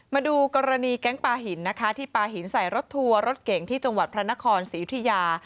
มาดูกรณีแก๊งปลาหินนะคะที่ปลาหินใส่รถทัวร์รถเก่งที่จังหวัดพระนครศรียุธิยา